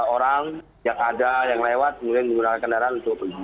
orang yang ada yang lewat kemudian menggunakan kendaraan untuk pergi